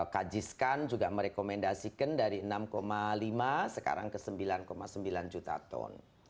kajiskan juga merekomendasikan dari enam lima sekarang ke sembilan sembilan juta ton